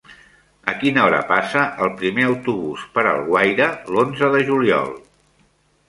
A quina hora passa el primer autobús per Alguaire l'onze de juliol?